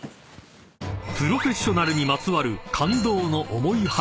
［プロフェッショナルにまつわる感動の重い話］